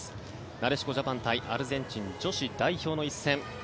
なでしこジャパン対アルゼンチン女子代表の一戦。